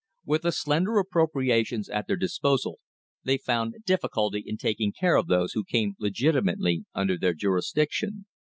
With the slender appropriations at their disposal, they found difficulty in taking care of those who came legitimately under their jurisdiction.